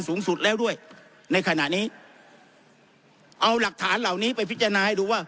สูงสุดแล้วด้วยในขณะนี้เอาหลักฐานเหล่านี้ไปพิจารณาให้ดูว่า